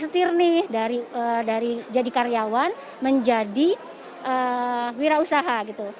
setir nih dari jadi karyawan menjadi wira usaha gitu